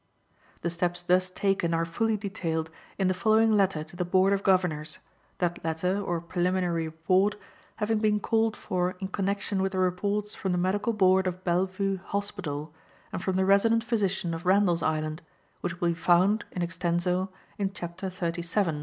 The steps thus taken are fully detailed in the following letter to the Board of Governors, that letter, or preliminary report, having been called for in connection with the reports from the Medical Board of Bellevue Hospital, and from the Resident Physician of Randall's Island, which will be found, in extenso, in Chapter XXXVII.